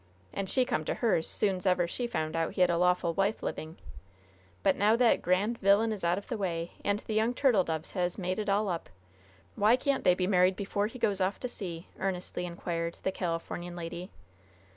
And she come to hers soon's ever she found out he had a lawful wife living. But now that the grand vilyun is out of the way, and the young turtledoves has made it all up, why can't they be married before he goes off to sea?" earnestly inquired the Californian lady.